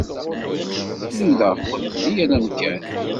Nudaɣ-kent deg yal amkan.